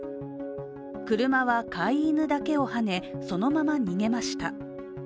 車は飼い犬だけをはねそのまま逃げました。